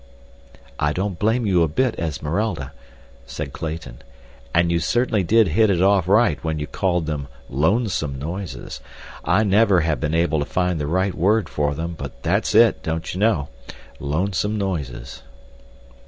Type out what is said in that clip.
"I don't blame you a bit, Esmeralda," said Clayton, "and you certainly did hit it off right when you called them 'lonesome' noises. I never have been able to find the right word for them but that's it, don't you know, lonesome noises."